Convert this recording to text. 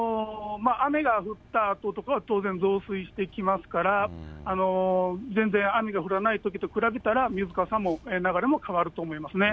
雨が降ったあととかは、当然増水してきますから、全然、雨が降らないときと比べたら、水かさも流れも変わると思いますね。